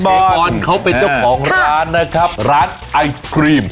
บอลครับเชฟบอลเขาเป็นเจ้าของร้านนะครับร้านไอศกรีม